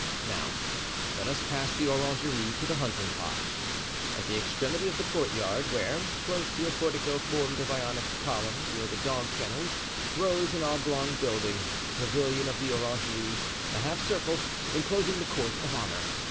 Now let us pass the orangery to the hunting lodge. At the extremity of the courtyard, where, close to a portico formed of Ionic columns, were the dog kennels, rose an oblong building, the pavilion of the orangery, a half circle, inclosing the court of honor.